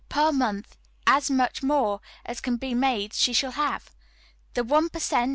per month as much more as can be made she shall have. The one per cent.